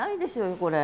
これ。